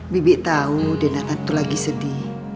bibik tau dina tante lagi sedih